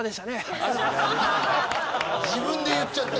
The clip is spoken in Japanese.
自分で言っちゃった。